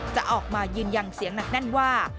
จะออกมายืนยันเสียงหนักแน่นว่า